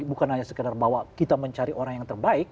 bukan hanya sekedar bahwa kita mencari orang yang terbaik